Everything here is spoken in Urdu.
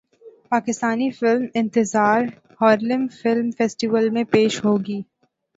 Pakistani film Intezaar Harlem film festival میں پیش ہوگی